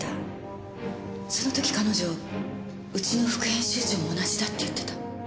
その時彼女「うちの副編集長も同じだ」って言ってた。